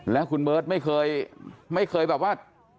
แล้วคุณเบิร์ตไม่เคยไม่เคยแบบว่า